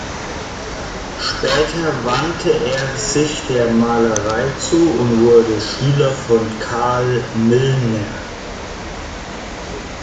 Später wandte er sich der Malerei zu und wurde Schüler von Karl Millner.